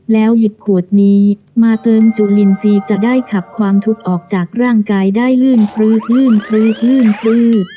แล้วหยุดขวดนี้มาเติมจุลินซีจะได้ขับความทุกข์ออกจากร่างกายได้ลื่นพลื้นลื่นพลื้นลื่นพลื้น